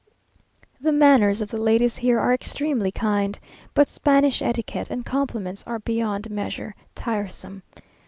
The manners of the ladies here are extremely kind, but Spanish etiquette and compliments are beyond measure tiresome.